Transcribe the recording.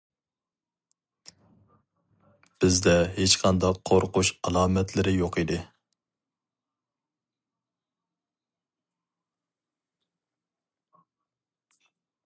بىزدە ھېچقانداق قورقۇش ئالامەتلىرى يوق ئىدى.